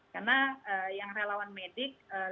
karena yang relawan medis lebih banyak